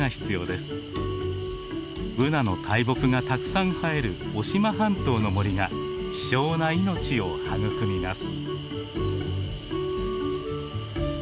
ブナの大木がたくさん生える渡島半島の森が希少な命を育みます。